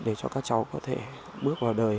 để cho các cháu có thể bước vào đời